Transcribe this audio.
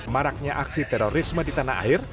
maraknya aksi terorisme di tanah air